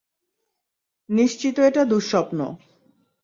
নিশ্চিত এটা দুঃস্বপ্ন।